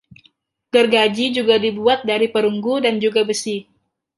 Gergaji juga terbuat dari perunggu dan juga besi.